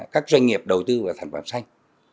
các doanh nghiệp đầu tư vào sản phẩm xanh